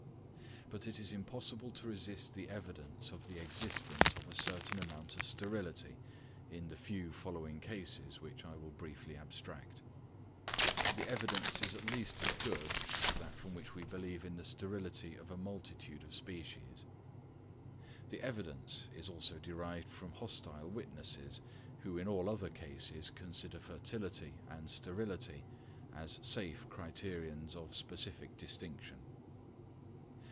But it is impossible to resist the evidence of the existence of a certain amount of sterility in the few following cases, which I will briefly abstract. The evidence is at least as good as that from which we believe in the sterility of a multitude of species. The evidence is also derived from hostile witnesses, who in all other cases consider fertility and sterility as safe criterions of specific distinction.